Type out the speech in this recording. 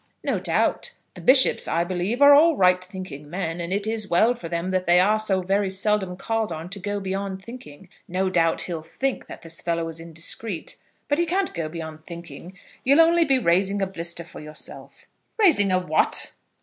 "No doubt. The bishops, I believe, are all right thinking men, and it is well for them that they are so very seldom called on to go beyond thinking. No doubt he'll think that this fellow was indiscreet; but he can't go beyond thinking. You'll only be raising a blister for yourself." "Raising a what?"